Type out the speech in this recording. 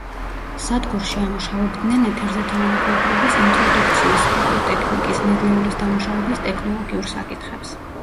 სადგურში ამუშავებდნენ ეთერზეთოვანი კულტურების ინტროდუქციის, აგროტექნიკის, ნედლეულის დამუშავების ტექნოლოგიურ საკითხებს.